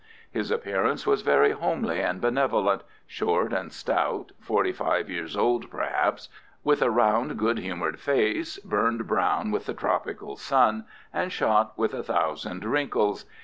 His appearance was very homely and benevolent, short and stout, forty five years old perhaps, with a round, good humoured face, burned brown with the tropical sun, and shot with a thousand wrinkles.